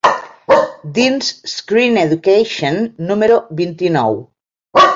Dins Screen Education número vint-i-nou.